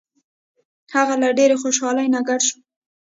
هغه له ډیرې خوشحالۍ نه ګډ شو.